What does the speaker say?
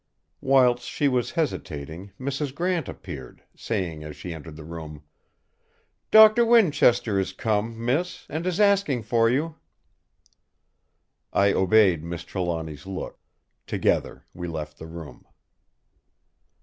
Whilst she was hesitating, Mrs. Grant appeared, saying as she entered the room: "Doctor Winchester is come, miss, and is asking for you." I obeyed Miss Trelawny's look; together we left the room.